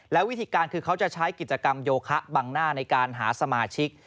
แล้ววิธีการคือเขาจะใช้กิจกรรมโยคะบังหน้าในการหาสมาชิก